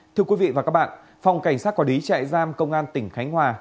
thưa quý vị và các bạn phòng cảnh sát quả đí chạy giam công an tỉnh khánh hòa